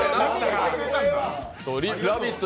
「ラヴィット！」